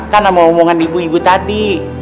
emang udah kemakan sama omongan ibu ibu tadi